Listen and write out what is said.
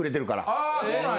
ああそうなんや。